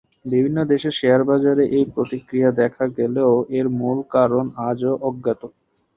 বিভিন্ন দেশের শেয়ার বাজারে এই প্রতিক্রিয়া দেখা গেলে-ও এর-মূল কারণ আজও অজ্ঞাত।